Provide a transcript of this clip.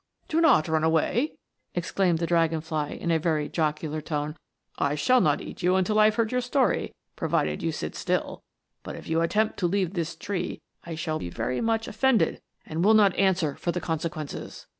" Do not run away!" exclaimed the dragon fly, in a very jocular tone. " I shall not eat you until I have heard your story, provided you sit still j but if you attempt to leave this tree, I shall be very much offended, and will not answer for the consequences."